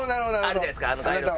あるじゃないですかあの街録。